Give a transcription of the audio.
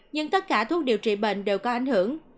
nhưng tất cả thuốc điều trị bệnh đều có ảnh hưởng